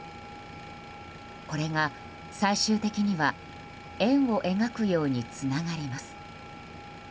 これが最終的には円を描くようにつながります。